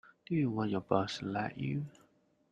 Do you want your boss to like you?